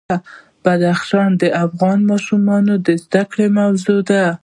بدخشان د افغان ماشومانو د زده کړې موضوع ده.